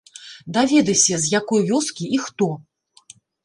Даведайся, з якой вёскі і хто?